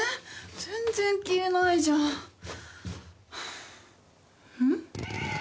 全然消えないじゃんうん？